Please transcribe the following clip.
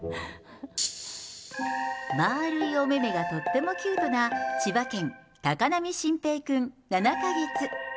まあるいおめめがとってもキュートな、千葉県、高波慎平君７か月。